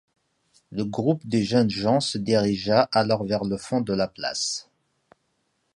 Le groupe des jeunes gens se dirigea alors vers le fond de la place.